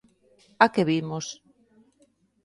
¿A que vimos?